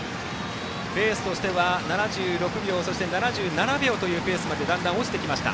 レースとしては７６秒、７７秒というペースまでだんだん落ちてきました。